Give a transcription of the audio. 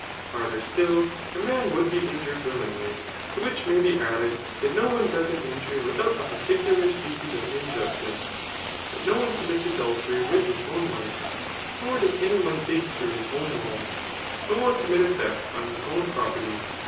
Farther still, a man would be injured willingly. To which may be added, that no one does an injury without a particular spedes of injustice ; but no one commits adultery with his own wiie, nor does any one dig through his own wall, 9pr commit a theft en his own property.